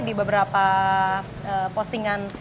di beberapa postingan